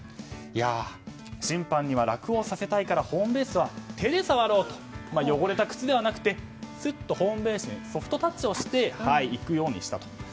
審判には楽をさせたいからホームベースは手で触ろうと汚れた靴ではなくてすっとソフトタッチをしていくようにしたと。